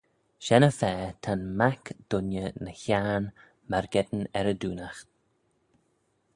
Shen-y-fa ta'n mac dooinney ny hiarn myrgeddin er y doonaght.